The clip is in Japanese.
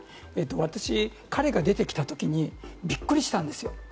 私、彼が出てきた時にビックリしたんですよ。